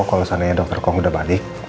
kalau sananya dr edward kong udah balik